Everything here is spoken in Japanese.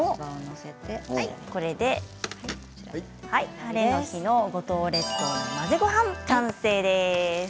ハレの日の五島列島の混ぜごはん完成です。